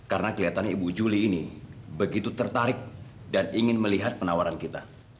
ayah ibu julie ini begitu tertarik dan ingin melihat penawaran kita